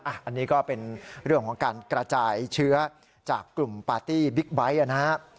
อันนี้ก็เป็นเรื่องของการกระจายเชื้อจากกลุ่มปาร์ตี้บิ๊กไบท์นะครับ